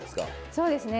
そうですね。